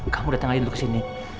kamu datang aja dulu ke sini